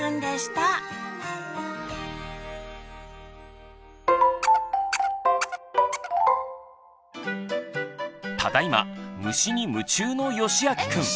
ただいま虫に夢中のよしあきくん。